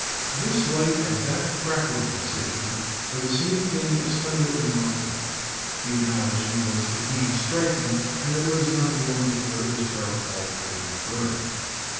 'This light and that crackling,' said he, 'are the same thing as thun der and lightning.' The analogy was indeed striking, and it was not long before it was verified and confirmed.